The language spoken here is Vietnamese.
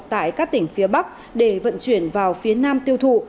tại các tỉnh phía bắc để vận chuyển vào phía nam tiêu thụ